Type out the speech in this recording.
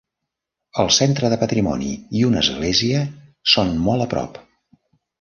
El centre de patrimoni i una església són molt a prop.